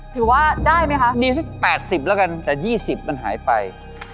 ถือว่าได้ไหมคะดีสัก๘๐แล้วกันแต่๒๐มันหายไป